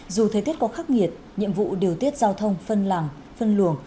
dù thời tiết có khắc nghiệt nhiệm vụ điều tiết giao thông phân làng phân luồng